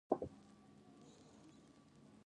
موږ حکیم لرو ؟